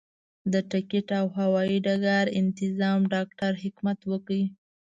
د ټکټ او هوايي ډګر انتظام ډاکټر حکمت وکړ.